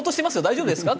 大丈夫ですか？